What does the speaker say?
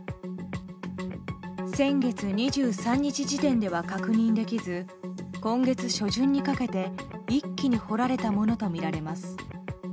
先月２３日時点では確認できず今月初旬にかけて一気に掘られたものとみられます。